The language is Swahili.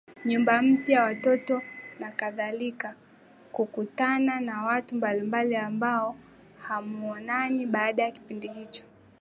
nyumba mpya watoto nakadhalika Kukutana na watu mbalimbali ambao hamuonani baada ya kipindi hicho